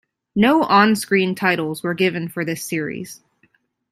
No on-screen titles were given for this series.